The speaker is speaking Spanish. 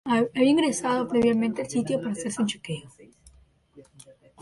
Había ingresado previamente al sitio para hacerse un chequeo.